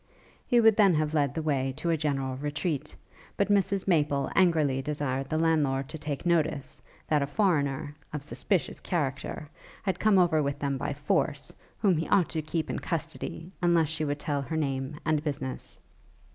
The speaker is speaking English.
He would then have led the way to a general retreat, but Mrs Maple angrily desired the landlord to take notice, that a foreigner, of a suspicious character, had come over with them by force, whom he ought to keep in custody, unless she would tell her name and business.